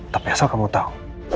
tapi asal kamu tahu